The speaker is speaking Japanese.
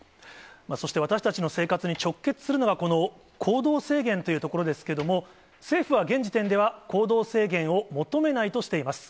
そして、私たちの生活に直結するのは、この行動制限というところですけれども、政府は現時点では、行動制限を求めないとしています。